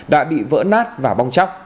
đã bị vỡ nát và bong chóc